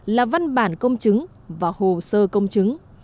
là văn bản công chứng và hồ sơ công chứng